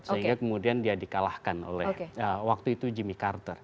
sehingga kemudian dia dikalahkan oleh waktu itu jimmy carter